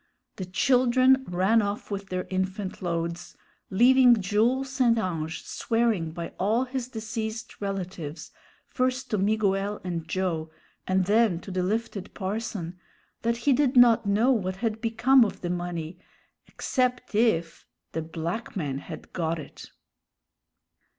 The children ran off with their infant loads, leaving Jules St. Ange swearing by all his deceased relatives, first to Miguel and Joe, and then to the lifted parson, that he did not know what had become of the money "except if" the black man had got it.